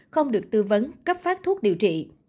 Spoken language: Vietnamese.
không được tư vấn cấp phát thuốc điều trị